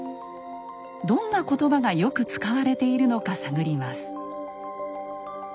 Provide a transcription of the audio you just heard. どんな言葉がよく使われているのか探ります。